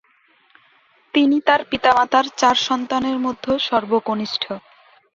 তিনি তার পিতামাতার চার সন্তানের মধ্য সর্বকনিষ্ঠ।